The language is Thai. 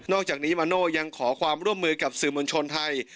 อกจากนี้มาโน่ยังขอความร่วมมือกับสื่อมวลชนไทย